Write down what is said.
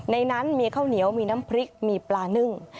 ในนั้นมีข้าวเหนียวมีน้ำพริกมีปลานึ่ง